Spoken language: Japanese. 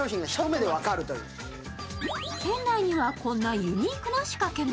店内にはこんなユニークな仕掛けも。